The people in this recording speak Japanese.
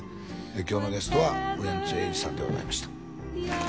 今日のゲストはウエンツ瑛士さんでございました